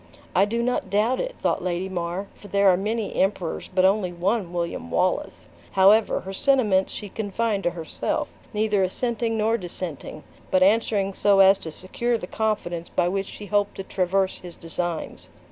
"I do not doubt it," thought Lady Mar; "for there are many emperors, but only one William Wallace!" However, her sentiments she confined to herself: neither assenting nor dissenting, but answering so as to secure the confidence by which she hoped to traverse his designs.